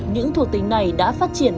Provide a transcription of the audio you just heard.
những thuộc tính này đã phát triển